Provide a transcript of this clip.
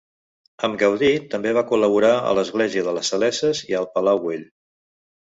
Amb Gaudí també va col·laborar a l'església de les Saleses i al Palau Güell.